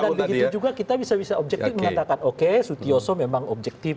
sehingga dengan begitu juga kita bisa objektif mengatakan oke sutioso memang objektif